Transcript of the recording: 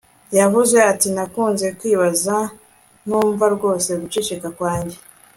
yavuze ati 'nakunze kwibaza,' ntumva rwose guceceka kwanjye